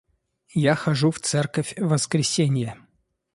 Я хожу в церковь в воскресенье.